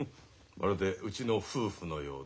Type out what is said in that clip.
まるでうちの夫婦のようですな。